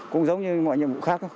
cũng giống như mọi nhiệm vụ khác